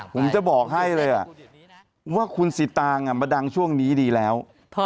ผมจะบอกให้เลยว่าคุณสิตางมาดังช่วงนี้ดีแล้ว